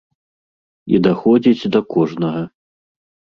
І даходзіць да кожнага.